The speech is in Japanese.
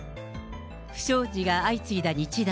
不祥事が相次いだ日大。